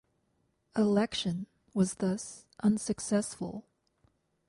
Election was thus unsuccessful.